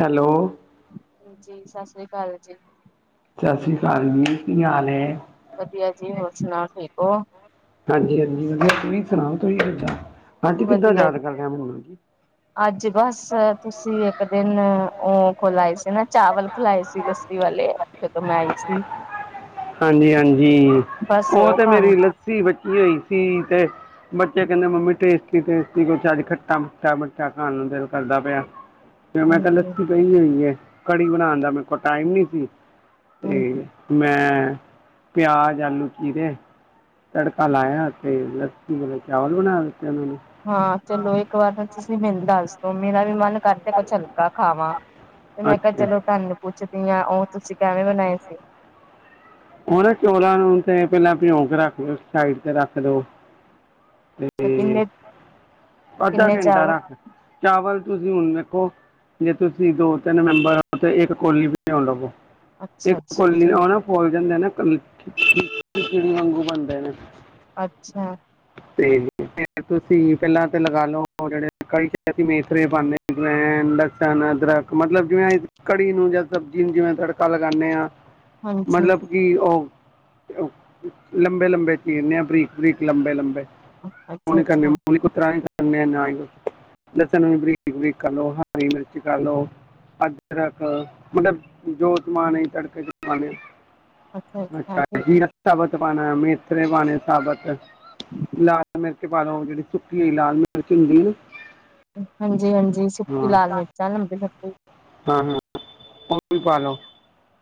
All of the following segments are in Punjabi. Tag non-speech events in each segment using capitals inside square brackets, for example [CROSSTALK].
ਹੈਲੋ ਜੀ ਸਤਿ ਸ੍ਰੀ ਅਕਾਲ ਜੀ ਸਤਿ ਸ਼੍ਰੀ ਅਕਾਲ ਜੀ, ਕੀ ਹਾਲ ਐ? ਵਧੀਆ ਜੀ ਹੋਰ ਸੁਣਾਓ? ਠੀਕ ਉਹ ਹਾਂਜੀ ਹਾਂਜੀ ਤੁਸੀਂ ਸੁਣਾਓ ਤੁਸੀਂ ਕਿਥੇ ਵਧੀਆ ਜੀ ਅੱਜ ਬਸ ਤੁਸੀਂ ਇੱਕ ਦਿਨ ਉਹ ਖੋਲ ਸੀ ਨਾ ਚਾਵਲ ਖਿਲਾਏ ਸੀ ਲੱਸੀ ਵਾਲੇ ਫਿਰ ਮੈਂ ਆਈ ਸੀ ਹਾਂਜੀ ਹਾਂਜੀ ਬਸ ਉਹ ਤੇ ਖਾਣ ਮੇਰੀ ਲੱਸੀ ਬੱਚੀ ਹੋਈ ਸੀ ਤੇ ਬੱਚੇ ਕਹਿੰਦੇ ਮੰਮੀ ਟੇਸਟੀ ਟੇਸਟੀ ਕੋ ਚੱਜ ਘੱਟਾਂ ਬਚਾ ਖਾਣ ਨੂੰ ਦਿਲ ਕਰਦਾ ਪਿਆ ਫਿਰ ਮੈਂ ਹਾਂਜੀ ਕਿਹਾ ਲੱਸੀ ਪਈ ਹੋਈ ਆ ਘੜੀ ਬਣਾਉਣ ਦਾ ਮੇਰੇ ਕੋਲ ਟਾਈਮ ਨੀ ਸੀ ਹਾਂਜੀ ਤੇ ਮੈਂ ਪਿਆਜ ਆਲੂ ਚੀਰੇ ਤੜਕਾ ਲਾਇਆ ਤੇ ਲੱਸੀ ਵਾਲ ਚਾਵਲ ਬਣਾ ਦਿੱਤੇ ਉਹਨਾਂ ਨੇ ਹਾਂ ਚਲੋ ਇੱਕ ਵਾਰ ਨਾ ਤੁਸੀਂ ਮੈਨੂੰ ਦੱਸ ਦਓ ਮੇਰਾ ਵੀ ਮਨ ਕਰਦੇ ਕੁਛ ਹਲਕਾ ਖਾਵਾਂ ਤੇ ਮੈਂ ਕਿਹਾ ਅੱਛਾ ਚਲੋ ਤੁਹਾਨੂੰ ਪੁੱਛਦੀ ਹਾਂ ਉਹ ਤੁਸੀਂ ਕਿਵੇਂ ਬਣਾਏ ਸੀ ਉਹ ਨਾ ਚੋਲਾਂ ਨੂੰ ਤੇ ਪਹਿਲਾਂ ਭਿਉਕ ਰੱਖਓ ਸਾਈਡ ਤੇ ਰੱਖ ਦੋ ਸਚਿੰਨ ਦੇ ਅੱਧਾ ਘੰਟਾ ਰੱਖ ਚਾਵਲ ਤੁਸੀਂ ਹੁਣ ਵੇਖੋ ਜੇ ਤੁਸੀਂ ਦੋ ਤਿੰਨ ਮੈਂਬਰ ਹੋ ਤੇ ਇੱਕ ਕੋਲੀ ਵੀ ਭਿਓ ਲਵੋ ਅੱਛਾ ਇੱਕ ਅੱਛਾ ਕੁਲੀ ਠੀਕ ਨਾ ਫੁੱਲ ਜਾਂਦੇ ਨਾ ਚਿੜੀ ਵਾਂਗੂ ਬਣਦੇ ਨੇ ਅੱਛਾ ਤੇ ਤੁਸੀਂ ਪਹਿਲਾਂ ਤੇ ਲਗਾ ਲਓ ਜਿਹੜੇ ਅਸੀਂ ਵੇਖ ਰਹੇ ਸਨ ਇਧਰ ਅਦਰਕ ਲਸਣ ਜਿਵੇਂ ਕੜੀ ਨੂੰ ਜਾਂ ਸਬਜੀ ਨੂੰ ਜਿਵੇਂ ਤੜਕਾ ਲਗਾਨੇ ਆ ਹਾਂਜੀ ਮਤਲਬ ਕਿ ਉਹ ਲੰਬੇ ਲੰਬੇ ਚੀਰਨੇ ਆ ਬਰੀਕ ਬਰੀਕ ਲੰਬੇ ਲੰਬੇ ਲੰਬੇ ਮੂੰਹ ਅੱਛਾ ਨ ਕਰਨੇ ਅੱਛਾ ਮੂੰਹ ਕੋਈ ਤ੍ਹਾਂ ਲਸਣ ਵੀ ਬਰੀਕ ਬਰੀਕ ਕਰ ਲੋ ਹਰੀ ਮਿਰਚ ਕਰ ਲਓ ਅਦਰਕ ਮਤਲਬ ਜੋਤਮਾ ਤੜਕੇ ਚ ਅੱਛਾ ਜ ਰਸਤਾ ਬ ਪਾਣਾ ਮੇਥਰੇ ਪਾਣੇ ਸਾਬਤ ਲਾਲ ਮਿਰਚ ਪਾ ਲੋ ਜਿਹੜੀ ਸੁੱਕੀ ਆਈ ਲਾਲ ਮਿਰਚ ਹੁੰਦੀ ਹਾਂਜੀ ਹਾਂਜੀ ਨਾ ਸੁੱਕੀ ਹਾਂ ਲਾਲ ਮਿਰਚਾਂ ਲੰਬੇ ਲ ਹ ਹਾਂ ਹਾਂ ਉਹ ਪਾਾਲੋ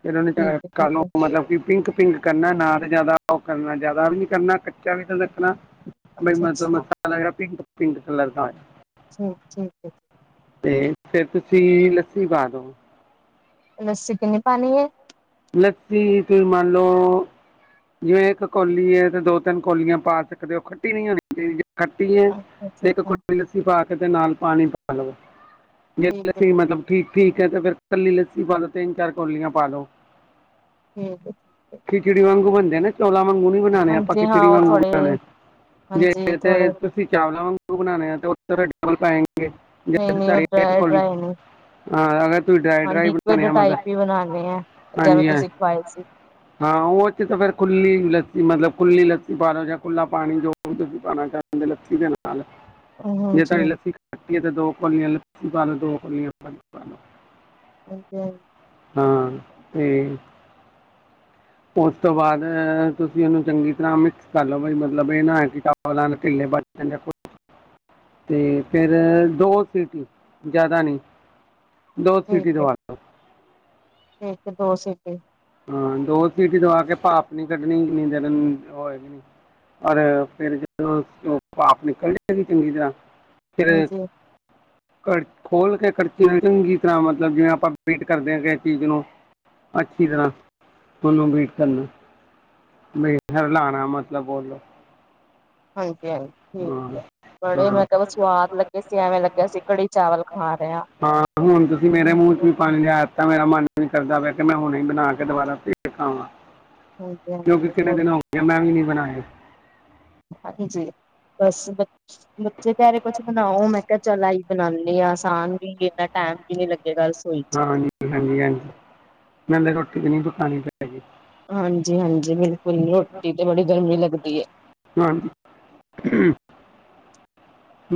ਜਨਾਂ ਨੇ ਠੀਕ ਹੈ ਠੀਕ ਕੱਲ ਨੂੰ ਹੈ ਮਤਲਬ ਕਿ ਪਿੰਕ ਪਿੰਕ ਕਰਨਾ ਨਾ ਜ਼ਿਆਦਾ ਉਹ ਕਰਨਾ ਜ਼ਿਆਦਾ ਵੀ ਨੀ ਕਰਨਾ ਕੱਚਾ ਵੀ ਤਾਂ ਮਤਲਬ ਅੱਛਾ-ਅੱਛਾ ਮਸਾਲਾ ਵਗੈਰਾ ਪਿੰਕ ਪਿੰਕ ਕੱਲਰ ਦਾ ਠੀਕ ਠੀਕ ਜੀਕ ਤੇ ਫਿਰ ਤੁਸੀਂ ਲੱਸੀ ਪਾ ਦੋ ਲੱਸੀ ਕਿੰਨੀ ਪਾਣੀ ਹੈ ਲੱਸੀ ਤੁਸੀਂ ਮੰਨ ਲਓ ਜਿਵੇਂ ਇੱਕ ਕੌਲੀ ਹੈ ਤੇ ਦੋ ਤਿੰਨ ਕੌਲੀਆਂ ਪਾ ਸਕਦੇ ਹੋ ਖੱਟੀ ਨਹੀਂ ਹੋਣੀ ਚਾਹੀਦੀ ਖੱਟੀ ਹੈ ਅੱਛਾ-ਅੱਛਾ ਅੱਛਾ ਇੱਕ ਕੁੜ ਅੱਛਾ ਲਸੀਫਾ ਤੇ ਨਾਲ ਪਾਣੀ ਪਾ ਲਵੋ ਜ ਠੀਕ ਹੈ ਅਸੀਂ ਮਤਲਬ ਠੀਕ ਠੀਕ ਹੈ ਤੇ ਫੇਰ ਕੱਲੀ ਲੱਸੀ ਪਾ ਦੋ ਤਿੰਨ ਚਾਰ ਕੋਲੀਆਂ ਪਾ ਲੋੋ ਠੀਕ ਹੈ ਠੀਕ ਹੈ ਖਿਚੜੀ ਵਾਂਗੂ ਬੰ ਚੋਲਾ ਵਾਂਗੂ ਨੀ ਬਣਾਉਣੇ ਆਪਾਂ ਹਾਂਜੀ ਹਾਂ ਖਿਚੜੀ ਉਹ ਵਾਂਗੂ ਥੋੜੇ ਬਣਾਉਣੇ ਹਾਂਜੀ ਜੇ ਤੇ ਥੋੜੇ ਤੁਸੀਂ ਚਾਵਲਾਂ ਵਾਂਗੂ ਬਣਾਣੇ ਹੈ ਤੇ ਉਹ ਡਬਲ ਪਾਏ ਨਹੀਂ ਨਹੀਂ ਉਹ ਡਰਾ ਡਰਾਏ ਨਹੀਂ ਹਾਂ ਤੁਸੀਂ ਡਰਾਈ ਹਾਂ ਡਰਾਈ ਬਣਾਉਣੇ ਲਿਕੁਡ ਆ ਟਾਈਪ ਹੀ ਮਤਲਬ ਬਣਾਉਣੇ ਆ ਜਿਵੇਂ ਹਾਂਜੀ ਹਾਂ ਤੁਸੀਂ ਖਵਾਏ ਸੀ ਹਾਂ ਉਹਥੇ ਤਾਂ ਫੇਰ ਖੁੱਲੀ ਲੱਸੀ ਮਤਲਬ ਖੁੱਲੀ ਲੱਸੀ ਪਾ ਲਓ ਜਾਂ ਖੁੱਲ੍ਹਾ ਪਾਣੀ ਜੋ ਵੀ ਤੁਸੀਂ ਪਾਉਣਾ ਚਾਹੁੰਦੇ ਲੱਸੀ ਦੇ ਨਾਲ ਜੇ ਹਾਂਜੀ ਤੁਹਾੀ ਲੱਸੀ ਖਤੀ ਹੈ ਤੇ ਦੋ ਕੋ ਬ ਦ ਹਾਂਜੀ ਫੇਰ ਉਸ ਤੋਂ ਬਾਅਦ ਤੁਸੀਂ ਉਹਨੂੰ ਚੰਗੀ ਤਰ੍ਹਾਂ ਮਿਕਸ ਕਰ ਲਓ ਬਾਈ ਮਤਲਬ ਇਹ ਨਾ ਹੈ ਕਿ ਚਾਵਲ ਭਜ ਜਾਂ ਕੁਛ ਤੇ ਫਿਰ ਦੋ ਸੀਟੀ ਜ਼ਿਆਦਾ ਨਹੀਂ ਦੋ ਠੀਕ ਸਿਟੀ ਹੈ ਤੋਂਵਾ ਦੋ ਸੀਟ ਹਾਂ ਦੋ ਸੀਟ ਦਵਾ ਕੇ ਪਾਪ ਨਹੀਂੀ ਕੱਢਣੀ ਕਿੰਨੀ ਦੇਰਏਗੀ ਨ ਪਰ ਫਿਰ ਜਦੋਂ ਪਾਪ ਨਿਕਲ ਹੈਗੀ ਚੰਗੀ ਤਰ੍ਹਾਂ ਫਿਰ ਹਾਂਜੀ ਖੋਲ ਕੇ ਖਰਚੇ ਚੰਗੀ ਤਰ੍ਹਾਂ ਮਤਲਬ ਜਿਵੇਂ ਆਪਾਂ ਵੇਟ ਕਰਦੇ ਹਾਂ ਕਿਸ ਚੀਜ਼ ਨੂੰ ਅੱਛਾ ਤਰ੍ਹਾਂ ਤੁਾਨੂੰ ਵੀਟ ਕਰਨਾ ਲਣਾ ਮਤਲਬ ਬੋਲੋ ਹਾਂ ਹਾਂ ਠੀਕ ਹੈ ਬੜੇ ਹਾਂ ਮਤਲਬ ਸਵਾਦ ਲੱਗੇ ਸੀਿਆਵੇਂ ਲੱਗੇਿਆ ਅਸੀਂ ਕੜੀ ਚਾਵਲ ਖਾ ਰਹੇ ਹਾਂ ਤਾਂ ਮੇਰਾ ਮਨ ਨੀ ਕਰਦਾ ਪ ਕਿ ਮੈਂ ਹੁਣੇ ਬਣਾ ਕੇ ਦੁਬਾਰਾਖਾਵਾਂ ਹਾਂਜੀ ਕਿਕ ਕਿੰਨੇ ਹਾਂਜੀ ਦਿਨ ਹੋ ਗ ਮੈਂ ਵੀ ਨੀ ਬਣਾ ਹ ਹਾਂਜੀ ਬਸ ਬੱਚੇ ਪਰੇ ਕੁਛ ਬਣਾਓ ਮੈਂ ਕਿਹਾ ਚੱਲ ਆਈ ਬਣਾਉਣੀ ਹਾਂ ਆਸਾਨ ਵੀ ਇਨਾ ਟੈਮ ਵੀ ਨੀ ਲੱ ਹਾਂਜੀ ਹਾਂਜੀ ਹਾਂਜੀ ਮਲੇ ਰੱਟੀ ਨੀ ਦੁਕਾਨੀ ਤੇ ਹਾਂਜੀ ਹਾਂਜੀ ਬਿਲਕੁਲ ਰੋਟੀ ਤੇ ਬੜੀ ਗਰਮ ਹੀ ਲੱਗਦੀ ਹੈ । ਹਾਂ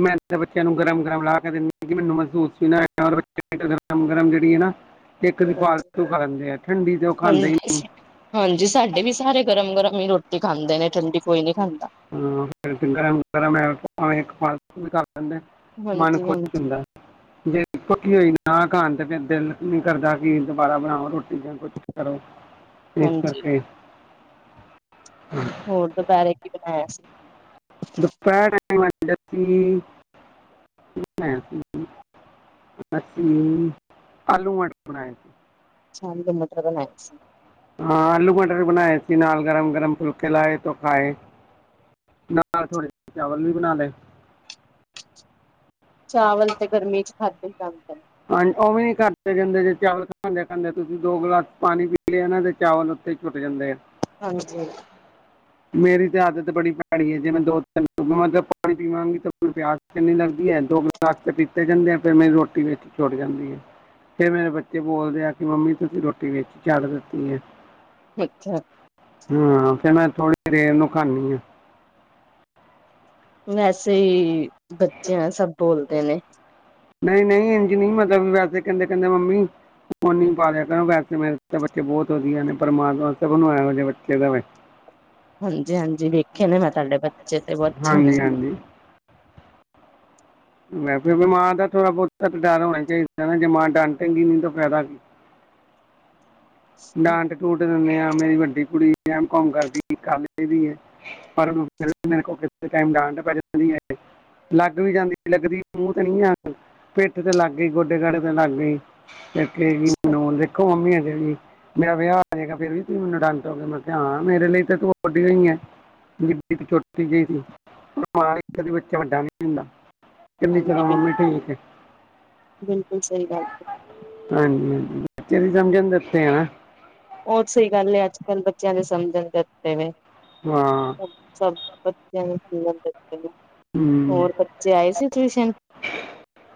ਮੈਂ ਬੱਚਿਆਂ ਨੂੰ ਗਰਮ ਗਰਮ ਲਾ ਕੇ ਦਿੰਦੀ ਹਾਂ । ਮੈਨੂੰ ਮਹਿਸੂਸ ਵੀ ਨਾ ਹੈਗਾ ਗਰਮ ਗਰਮ ਜਿਹੜੀ ਹੈ ਨਾ । ਖਾਂਦੇ ਹਾਂਜੀ ਹੀ ਨਹੀਂ ਹਾਂਜੀ ਸਾਡੇ ਵੀ ਸਾਰੇ ਗਰਮ ਗਰਮ ਹੀ ਰੋਟੀ । ਖਾਂਦੇ ਨੇ । ਹਮ ਸੇ ਹੀ ਗੱਲ ਹੈ। [INAUDIBLE] [INAUDIBLE] [INAUDIBLE] ਹਾਂਜੀ ਹਾਂਜੀ ਫ ਦਿਲ ਨੀ ਕਰਦਾ ਕਿ ਦੁਬਾਰਾ ਬਣਾਓ ਰੋਟੀ । ਚੀਜ਼ਾਂ ਕੁ ਕਰੋ ਇਸ ਹਾਂਜੀ ਕਰਕੇ । [INAUDIBLE] ਦੁਪਹਿਰੇ ਕੀ ਬਣਾਇਆ ਸੀ? ਦੁਪਹਿਰ ਟਾਈਮ ਲੱਸੀ ਬਣਾਇਆ ਸੀ ਲੱਸੀ ਆਲੂ ਮਟਰ । ਸ਼ਾਮ ਨੂੰ ਮਟਰ ਬਣਾਏ ਸੀ। ਹਾਂ ਆਲੂ ਮਟਰ ਬਣਾਏ ਸੀ । ਨਾਲ ਗਰਮ ਗਰਮ ਫੁਲਕੇ ਲਾਏ ਤੋਂ ਖਾਏ ਨਾਲ ਥੋੜੇ ਚਾਵਲ ਵੀ ਬਣਾ ਲਏ। ਚਾਵਲ ਤੇ ਗਰਮੀ ਚ ਖਾਧੇ ਜਾਂਦੇ ਨੇ। ਘਰਦੇ ਜਾਂਦੇ ਜੇ ਚਾਵਲ ਖਾਂਦੇ ਖਾਂਦੇ ਤੁਸੀਂ ਦੋ ਗਲਾਸ ਪਾਣੀ ਪੀ ਲਿਆ ਨਾਂ ਤੇ ਚਾਵਲ ਉੱਥੇ ਹੀ ਛੁੱਟ ਜਾਂਦੇ ਆ । ਹਾਂਜੀ। ਮੇਰੀ ਤੇ ਆਦਤ ਬੜੀ ਭੈੜੀ ਹੈ । ਜੇ ਮੈਂ ਦੋ ਤਿੰਨ ਮਤਲਬ ਪਾਣੀ ਪੀਵਾਂਗੀ ਤਾਂ ਪਿਆਸ ਕਿੰਨੀ ਲੱਗਦੀ ਹੈ । ਤਾਕਤ ਪੀਤੇ ਜਾਂਦੇ ਆ। ਫਿਰ ਮੇਰੀ ਰੋਟੀ ਵਿੱਚ ਛੁੱਟ ਜਾਂਦੀ ਆ। ਫਿਰ ਮੇਰੇ ਬੱਚੇ ਬੋਲਦੇ ਆ ਕਿ ਮੰਮੀ ਤੁਸੀਂ ਰੋਟੀ ਵਿੱਚ ਛੱਡ ਦਿੱਤੀ ਹੈ ਅੱਛਾ । ਹਮ ਫਿਰ ਮੈਂ । [INAUDIBLE] ਵੈਸੇ ਹੀ ਬੱਚੇ ਆ ਸਭ ਬੋਲਦੇ ਨੇ । ਨਹੀਂ ਨਹੀਂ ਇੰਝ ਨਹੀਂ ਮਤਲਬ ਵੈਸੇ ਕਹਿੰਦੇ ਕਹਿੰਦੇ ਮੰਮੀ ਫੋਨ ਪਾ ਲਿਆ ਕਰੋ। ਵੈਸੇ ਮੇਰੇ ਤਾਂ ਬੱਚੇ ਬਹੁਤ ਵਧੀਆ ਨੇ । ਪਰਮਾਤਮਾ ਸਭ ਨੂੰ ਐਵੇਂ ਦੇ ਬੱਚੇ ਦਵੇ । ਹਾਂ ਜੀ ਹਾਂ ਜੀ ਵੇਖੇ ਨੇ ਮੈਂ ਤੁਹਾਡੇ ਬੱਚੇ ਤੇ ਬ ਅੱਛੇ ਨੇ। ਹਾਂਜੀ ਹਾਂਜੀ ਮੈਂ ਫਿਰ ਮਾਂ ਦਾ ਥੋੜ੍ਹਾ ਬਹੁਤਾ ਤਾਂ ਡਰ ਹੋਣਾ ਚਾਹੀਦਾ ਨਾ । ਜੇ ਮਾਂ ਡਾਟੇਗੀ ਨੀ ਤਾਂ ਫਾਇਦਾ ਕੀ ਹੈ। ਡਾਂਟ ਡੂਟ ਦਿੰਦੇ ਹਾਂ। ਮੇਰੀ ਵੱਡੀ ਕੁੜੀ ਐਮ ਕੌਮ ਕਰਦੀ ਹੈ ।ਪਰ ਮੇਰੇ ਕੋਲ ਡਾਂਟ ਪੈਦੀ। ਲੱਗ ਵੀ ਜਾਂਦੀ। ਲੱਗਦੀ ਮੂੰਹ ਤੇ ਨੀ ਆ ਪਿੱਠ ਤੇ ਲੱਗ ਗਈ ਗੋਡੇ ਗੜੇ ਤੇ ਲੱਗ ਗਈ ਹੈ। ਫਿਰ ਕਹੇਗੀ ਮੈਨੂੰ ਦੇਖੋ ਮੰਮੀ ਹੈ। ਦੇਣੀ। ਮੇਰਾ ਵਿਆਹ ਹੋ ਜਾਏਗਾ ਫੇਰ ਵੀ ਤੁਸੀ ਮੈਨੂੰ ਦਾਂਟੋਗੇ ਮੇਰੇ ਲਈ ਤੇ ਤੂੰ ਓਡੀ ਹੋਈ ਛੋਟੀ ਜਿਹੀ । ਬੱਚਾ ਵੱਡਾ ਨ । ਕਿੰਨੀ ਹਾਂਜੀ ਚਿਰਾ ਬਿਲ ਮੰਮੀ ਢਿੱਲੀ ਹੈ । ਬਿਲਕੁਲ ਸਹੀ ਗੱਲ ਹੈ। [INAUDIBLE] ਹੋਰ ਸਹੀ ਗੱਲ ਹੈ। ਅੱਜ ਕੱਲ੍ਹ ਬੱਚਿਆਂ ਦੇ ਸਮਝਣ ਦਤੇ ਵ ਹੈ। ਹਾਂ [INAUDIBLE] [INAUDIBLE] ਹੂੰ ਹੋਰ ਬੱਚੇ ਆਏ ਸੀ ਟਿਊਸ਼ਨ ।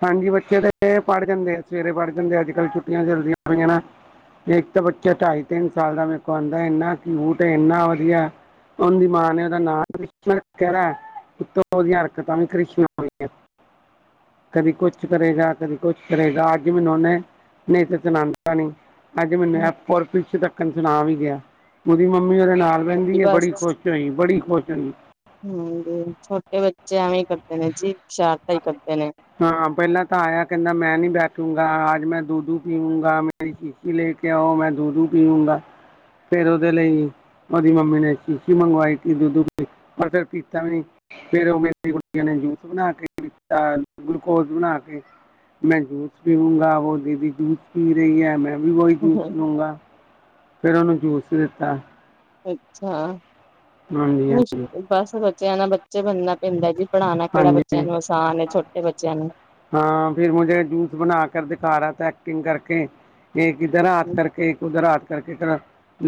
ਹਾਂਜੀ ਬੱਚੇ ਤਾਂ ਪੜ੍ਹ ਜਾਂਦੇ ਆ ਸਵੇਰੇ ਪੜ੍ਹ ਜਾਂਦੇ ਅੱਜ ਕੱਲ ਛੁੱਟੀਆਂ ਚੱਲਦੀਆਂ ਪਈਆਂ ਨਾ ਇੱਕ ਤਾਂ ਬੱਚਾ ਢਾਈ ਤਿੰਨ ਸਾਲ ਦਾ ਮੇਰੇ ਕੋ ਆਉਂਦਾ ਇੰਨਾ ਕਿਊਟ ਹੈ ਇੰਨਾ ਵਧੀਆ ਉਹਦੀ ਮਾਂ ਨੇ ਉਹਦਾ ਨਾਮ ਕ ਕਹਦਾ ਉਤੋਂ ਉਹਦੀਆਂ ਹਰਕਤਾਂ ਵੀ ਕ੍ਰਿਸ਼ਮ ਹੋਈਆਂ ਕਦੀ ਕੁਛ ਕਰੇਗਾ ਕਦੀ ਕੁਛ ਕਰੇਗਾ ਅੱਜ ਮੈਨੂੰ ਉਹਨੇ ਨਹੀਂ ਤਾਂ ਚਨਾਨਤਾ ਨੀ ਅਜ ਮੈਂਨ ਪਰਫੀਛੇ ਤੱਕ ਸੁਣਾ ਵੀ ਗਿਆ ਉਹਦੀ ਮੰਮੀ ਮੰਮੀ ਉਹਦੇ ਨਾਲ ਹਾਂਜੀ ਵਹਿੰਦੀ ਹੈ ਬਸ ਬੜੀ ਖੁਸ਼ ਹੋਈ ਬੜੀ ਖੁਸ਼ ਹੋਈ ਜੇ ਕਰਦੇ ਨੇ ਜੀ ਸ਼ਰਾਰਤਾਂ ਹੀ ਕਰਦੇ ਨੇ। ਹਾਂ ਪਹਿਲਾਂ ਤਾਂ ਆਇਆ ਕਹਿੰਦਾ ਮੈਂ ਨੀ ਬੈਠੂਗੀ ਅੱਜ ਮੈਂ ਦੁਧੂ ਪੀਊਂਗਾ ਮੇਰੀ ਸ਼ੀਸ਼ੀ ਲੈ ਕੇ ਆਓ ਮੈਂ ਦੁਧੂ ਪੀਊਂਗਾ ਫੇਰ ਉਹਦੇ ਲਈ ਉਹਦੀ ਮੰਮੀ ਨੇ ਸ਼ੀਸ਼ੀ ਮੰਗਵਾਈ ਦੁੱਧੂ ਪਰ ਫਿਰ ਪੀਤਾ ਵੀ ਨ ਫੇਰ ਉਹ ਮੇਰੀ ਕੁੜੀਆਂ ਨੇ ਜੂਸ ਬਣਾ ਕੇ ਗਲੂਕੋਜ ਬਣਾ ਕੇ ਮੈਂ ਜੂਸ ਪੀਊਂਗਾ ਵਲੀ ਦੀ ਜੂਸ ਪੀ ਰਹੀ ਹੈ ਮੈਂ ਵੀ ਬਹੀ ਦਸ ਲੂੰਗਾ ਫੇਿਰ ਉਹਨੂੰ ਜੂਸ ਦਿੱਤਾ ਅੱਛਾ ਹਾਂਜੀ ਹਾਂਜੀ ਬਸ ਵਧੀਆ ਬੱਚਿਆਂ ਨਾਲ ਬੱਚੇ ਬਣਨਾ ਪੈਂਦਾ ਜੀ ਪੜ੍ਹਾਉਣਾ ਕਿਹੜਾ ਬੱਚਿਆਂ ਹਾਂਜੀ ਨੂੰ ਆਸਾਨ ਹੈ ਛੋਟੇ ਬੱਚਿਆਂ ਨੂੰ। ਹਾਂ ਫਿਰ ਮੁੇ ਜੂਸ ਬਣਾ ਕਰ ਦਿਖਾ ਰਿਾ ਤ ਸ਼ਟਿੰਗ ਕਰਕੇ ਜ ਕਿੱਧਰ ਰਾਤ ਕਰਕੇ ਉੱਧਰ ਰਾਤ ਕਰਕੇ ਤਰ੍ਹਾਂ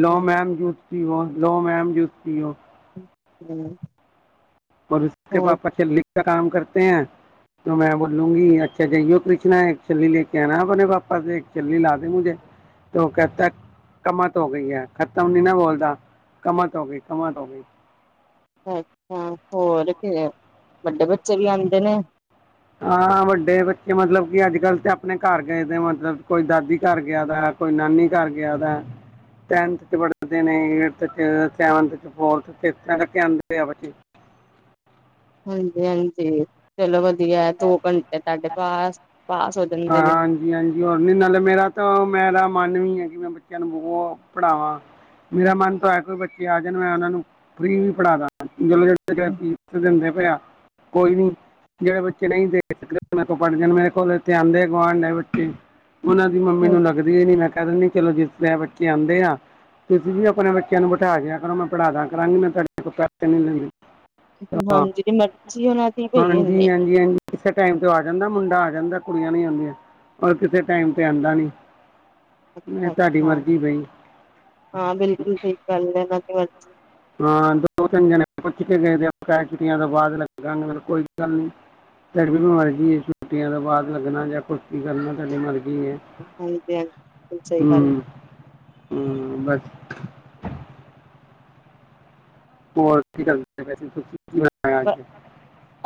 ਲੋ ਮੈਪ ਜੂਸ ਸੀ ਉਹ ਲੋਅ ਮੈਮ ਜੂਸ ਸੀੀ ਉਹ ਹਮ ਪਰ ਉਸ ਬਾਅ ਪੇ ਲਿਖ ਕਮ ਕਰਤੇ ਹੈ ਮੈਂ ਬੋਲੂੰਗੀ ਅੱਛਾ ਜਈਓ ਕ੍ਰਿਨਾ ਇੱਕ ਚੱਲਲੀ ਲੈ ਕੇ ਆਣਾ ਆਪਣੇ ਪਾਪਾ ਚੱਲਲੀ ਲਾ ਦੇ ਮੁਝੇ ਤ ਕਹਿਤਾ ਕਮਤ ਹੋ ਗਈ ਹੈ ਖ਼ਤਮ ਨੀ ਨਾ ਬੋਲਦਾ ਕਮ ਤੋਂ ਹੋ ਗਈ ਕਮ ਸਵੇਈ ਅੱਛਾ ਹੋਰ ਫ ਵੱਡੇ ਬੱਚੇ ਵੀ ਆਉਂਦੇ ਨੇ ਹਾਂ ਵੱਡੇ ਬੱਚੇ ਮਤਲਬ ਕਿ ਅੱਜ ਕੱਲ੍ਹ ਤੇ ਆਪਣੇ ਘਰ ਗਏ ਮਤਲਬ ਕੋਈ ਦਾਦੀ ਘਰ ਗਿਆ ਦਾ ਕੋਈ ਨਾਨੀ ਘਰ ਗਿਆ ਦਾ ਟੈਨਥ ਚ ਪੜਦੇ ਨੇ ਥ ਚ ਸਵ ਫੋਥਕੇ ਆਂਦੇ ਆ ਬੱਚੇ ਹਾਂਜੀ ਹਾਂਜੀ ਚਲੋ ਵਧੀਆ ਹੈ ਦੋ ਘੰਟੇ ਤੁਹਾਡੇ ਪਾਸ ਪਾਸ ਹੋ ਜਾਂਦੇ ਹਾਂ ਨੇ ਹਾਂਜੀ ਹਾਂਜੀ ਹੋਰ ਨੀ ਨਾਲ ਮੇਰਾ ਤਾਂ ਮੈਂਰਾ ਮਨ ਵੀ ਹੈ ਕਿ ਮੈਂ ਬੱਚਿਆਂ ਨੂੰ ਬ ਪੜਾਵਾਂ ਮੇਰਾ ਮਨ ਤਾਂ ਹੈ ਕੋਈ ਬੱਚੇ ਆ ਜਾਣ ਮੈਂ ਉਹਨਾਂ ਨੂੰ ਫੀ ਵੀ ਪੜ੍ਹਾ ਦ ਜਦੋਂੀਸ ਦਿੰਦੇ ਪਏ ਆ ਕੋਈ ਨੀ ਜਿਹੜੇ ਬੱਚੇ ਨਹੀਂ ਦੇ ਸਕਦੇ ਮੇਰੇ ਪੜ੍ਹ ਜਾਣ ਮੇਰੇ ਕੋਲ ਆਉਂਦੇ ਆ ਆਂਡ ਗੁਆਂਡ ਦੇ ਬੱਚੇ ਉਹਨਾਂ ਦੀ ਮੰਮੀ ਨੂੰ ਲਗਦੀ ਹੈ ਨੀ ਮੈਂ ਕਹਿ ਦਿੰਦੀ ਚਲੋ ਜਿਸ ਤਰ੍ਹਾਂ ਬੱਚੇ ਆਉਂਦੇ ਆ ਤੁਸੀਂ ਵੀ ਆਪਣੇ ਬੱਚਿਆਂ ਨੂੰ ਬਿਠਾ ਕੇ ਕਰੋ ਮੈਂ ਪੜ੍ਹਾ ਦ ਕਰਾਂਗੀ ਮੈਂ ਤੁਹਾਡੇ ਕੋਲ ਪੈਸੇ ਨੀ ਲੈਂਦੀ ਹਾਂਜੀ ਦੀ ਮਰਜ਼ੀ ਉਹਨਾਂ ਦੀ ਪਈ ਇਨੇ ਹਾਂਜੀ ਹਾਂਜੀ ਹਾਂਜੀ ਕਿਸੇ ਟਾਈਮ ਤੇ ਆ ਜਾਂਦਾ ਮੁੰਡਾ ਆ ਜਾਂਦਾ ਕੁੜੀਆਂ ਨੀ ਆਉਂਦੀਆਂ ਰ ਕਿਸੇ ਟਾਈਮ ਤੇ ਆਉਂਦਾ ਨੀ ਅੱਛਾ- ਅੱਛਾ ਹਾਂ ਬਿਲਕੁਲ ਸਹੀ ਗੱਲ ਏ ਮੈਂ ਕਿਹਾ ਹਾਂ ਦੋ ਤਿੰਨ ਜਣੇ ਪੁੱਛ ਕੇ ਗਏ ਛੁੱਟੀਆਂ ਤੋਂ ਬਾਅਦ ਲੱਗਾਂਗੇ ਕੋਈ ਗੱਲ ਨ ਤੇਡ ਵੀ ਵੀ ਮਰਜ਼ੀ ਛੁੱਟੀਆਂ ਤੋਂ ਬਾਅਦ ਲੱਗਣਾ ਜਾਂ ਕੁਛ ਕਰਨਾ ਤੁਹਾਡੀ ਮਰਜੀ ਠੀਕ ਹੈ ਹਾਂਜੀ ਹਾਂਜੀ ਬਿਲਕੁਲ ਸਹੀ ਗੱਲ ਹੂੰ। ਹੂੰ ਬਸ ਹੋਰ ਕੀ ਕਰਦੇ ਪਏ ਸੀ ਤੁਸੀ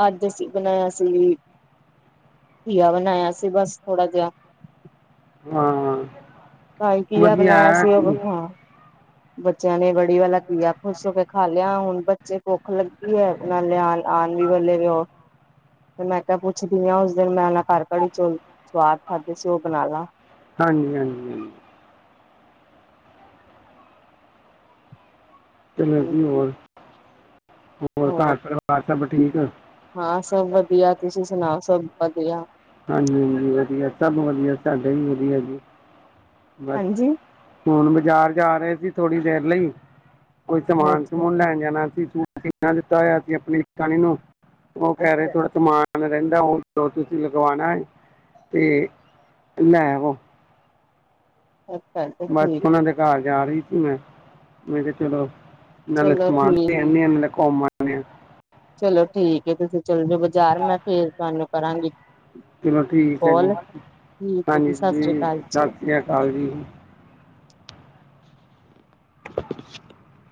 ਅੱਜ ਅਸੀਂ ਬਣਾਇਆ ਸ [INAUDIBLE] ਘੀਆ ਬਣਾਇਆ ਸੀ ਬਸ ਥੋੜਾ ਜਿਹਾ ਹਾਂ ਭਾਈ ਘੀਆ ਵਧੀਆ ਬਣਾਇਆ ਹੈ ਸੀ ਉਹ ਹਾਂਜੀ ਹਾਂ। ਬੱਚਿਆਂ ਨੇ ਬੜੀ ਵਾਲਾ ਘੀਆ ਖੁਸ਼ ਹੋ ਕੇ ਖਾ ਲਿਆ ਹੁਣ ਬੱਚੇ ਭੁੱਖ ਲੱਗੀ ਹੈ ਨਾਲ ਲਿਆ ਆਉਣ ਵੀ ਬਲੇ ਵੀ ਉਹ ਤੇ ਮੈਂ ਕਿਹਾ ਪੁੱਛਦੀ ਹ ਉਸ ਦਿਨ ਮੈਂ ਉਹ ਘਰ ਕੜੀ 'ਚੋ ਸਵਾਦ ਖਾਧੇ ਸੀ ਉਹ ਬਣਾ ਲਾਂ। ਹਾਂਜੀ -ਹਾਂਜੀ- ਹਾਂਜੀ। ਚੱਲੋ ਜੀ ਹੋਰ ਹੋਰ ਘਰ ਪਰਵਾਰ ਸਭ ਠੀਕ ਹਾਂ ਸਭ ਵਧੀਆ ਤੁਸੀਂ ਸੁਣਾਓ ਸਭ ਵਧੀਆ ਹਾਂਜੀ -ਹਾਂਜੀ ਵਧੀਆ ਸਭ ਵਧੀਆ ਸਾਡੇ ਵੀ ਵਧੀਆ ਜੀ। ਬਸ ਹਾਂਜੀ ਹੁਣ ਬਾਜ਼ਾਰ ਜਾ ਰਹੇ ਸੀ ਥੋੜੀ ਦੇਰ ਲਈ ਕੋਈ ਸਮਾਨ ਅੱਛਾ ਸਮੂਨ ਲੈਣ ਜਾਣਾ ਸੀ ਤੂੰ ਅਸੀ ਨਾ ਦਿੱਤਾ ਹੋਇਆ ਸੀ ਆਪਣੀ [UNINTELLIGIBLE] ਕਣੀ ਨੂੰ ਉਹ ਕਹਿ ਰਹੇ ਅੱਛਾ ਥੋੜਾ ਸਮਾਨ ਰਹਿੰਦਾ ਉਹ ਤੁਸੀਂ ਲਗਵਾਉਣਾ ਤੇ ਲੈ ਵੋ। ਅੱਛਾ ਅੱਛਾ ਬਸ ਠੀਕ ਹੈ ਉਹਨਾਂ ਦੇ ਘਰ ਜਾ ਰਹੀ। ਮੈਂ-ਮੈਂ ਕਿਹਾ ਚਲੋ। ਨਾਲੇ ਚਲੋ ਸਮਾਨ ਠੀਕ ਦੇ ਆਨੀ ਆ ਨਾਲੇ ਘੁੰਮ ਆਣੇ ਆ। ਚਲੋ ਠੀਕ ਹੈ। ਤੁਸੀਂ ਚੱਲ ਜਾ ਬਾਜ਼ਾਰ ਮੈਂ ਫੇਰ ਤੁਹਾਨੂੰ ਕਰਾਂਗੀ। ਚਲੋ ਠੀਕ ਹੈ ਜੀ ਕੋਲ ਹਾਂ ਠੀਕ ਹੈ ਜੀ ਸਤਿ ਸਤਿ ਸ੍ਰੀ ਅਕਾਲ ਜੀ ਸ੍ਰੀ ਅਕਾਲ ਜੀ। [INAUDIBLE]